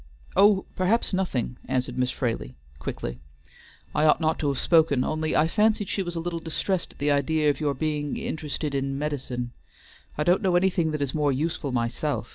"Oh, perhaps nothing," answered Miss Fraley, quickly. "I ought not to have spoken, only I fancied she was a little distressed at the idea of your being interested in medicines. I don't know anything that is more useful myself.